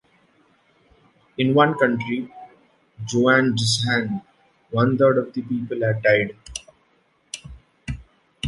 In one county, Guangshan, one-third of the people had died.